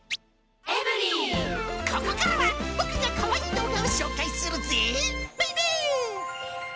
ここからは僕がかわいい動画を紹介するぜ、ベイベー。